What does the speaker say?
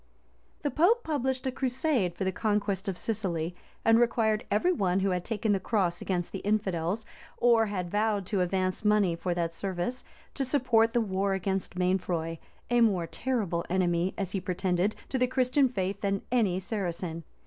The pope published a crusade for the conquest of Sicily; and required every one who had taken the cross against the infidels, or had vowed to advance money for that service, to support the war against Mainfroy, a more terrible enemy, as he pretended, to the Christian faith than any Saracen.